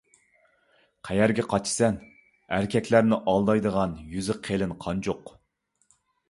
قەيەرگە قاچىسەن، ئەركەكلەرنى ئالدايدىغان يۈزى قېلىن قانجۇق!